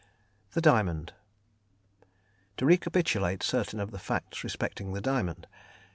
The Diamond. To recapitulate certain of the facts respecting the diamond.